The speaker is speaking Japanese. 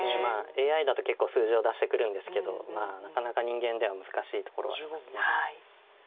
ＡＩだと結構数字を出してくるんですけどなかなか人間では難しいところはあります。